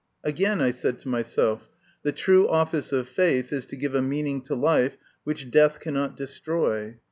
Again, I said to myself: The true office of faith is to give a meaning to life which death cannot destroy.